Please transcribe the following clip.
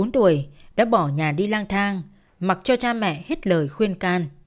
một mươi bốn tuổi đã bỏ nhà đi lang thang mặc cho cha mẹ hết lời khuyên can